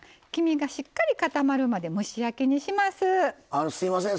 あのすいません。